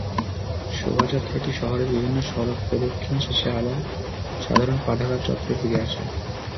শোভাযাত্রাটি শহরের বিভিন্ন সড়ক প্রদক্ষিণ শেষে আবার সাধারণ পাঠাগার চত্বরে ফিরে আসে।